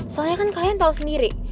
soalnya kan kalian tahu sendiri